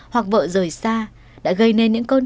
hoặc vợ rời xa đã gây nên những cơn